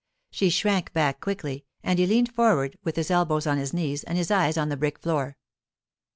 She shrank back quickly, and he leaned forward with his elbows on his knees and his eyes on the brick floor.